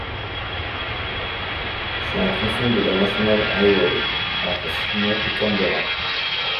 C'est un tronçon de la National Highway entre Sydney et Canberra.